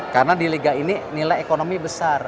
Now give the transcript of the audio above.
karena di liga ini nilai ekonomi besar